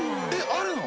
あるの！